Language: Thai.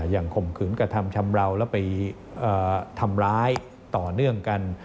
ข่มขืนกระทำชำราวแล้วไปทำร้ายต่อเนื่องกัน